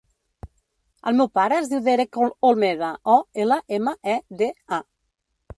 El meu pare es diu Derek Olmeda: o, ela, ema, e, de, a.